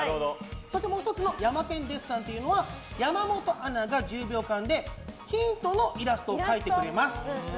そして、もう１つのヤマケン・デッサンというのは山本アナが１０秒間でヒントのイラストを描いてくれます。